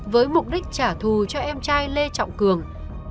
với mục đích trả thù cho các đối tượng